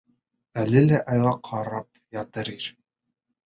Әле лә айға ҡарап ятты ир.